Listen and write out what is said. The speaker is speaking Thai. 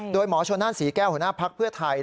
โดยหมอชนนั่นศรีแก้วหัวหน้าภักดิ์เพื่อไทย